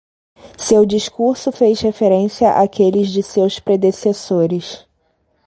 Seu discurso fez referência àqueles de seus predecessores.